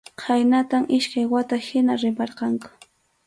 Khaynatam iskay wata hina rimarqanku.